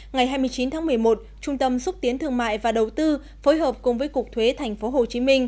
ngày hai mươi chín tháng một mươi một trung tâm xúc tiến thương mại và đầu tư phối hợp cùng với cục thuế tp hcm